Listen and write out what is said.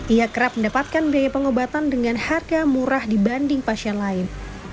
ia kerap mendapatkan biaya pengobatan dengan harga murah dibanding pasien lain